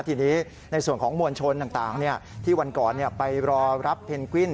ทีนี้ในส่วนของมวลชนต่างที่วันก่อนไปรอรับเพนกวิน